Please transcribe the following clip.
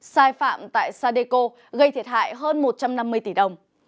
sai phạm tại sadeco gây thiệt hại hơn một trăm năm mươi tỷ đồng